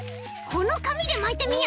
このかみでまいてみよう！